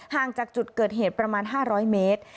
ห่างจากจุดเกิดเหตุประมาณ๕๐๐เมตร